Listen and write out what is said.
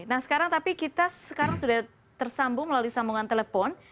nah sekarang tapi kita sekarang sudah tersambung melalui sambungan telepon